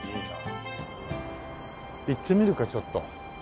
行ってみるかちょっと。